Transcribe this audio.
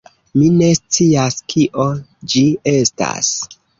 Mi ne scias kio ĝi estas.